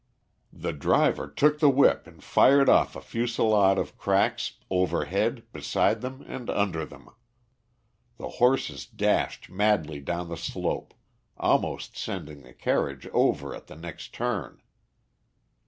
The driver took the whip and fired off a fusilade of cracks overhead, beside them, and under them. The horses dashed madly down the slope, almost sending the carriage over at the next turn.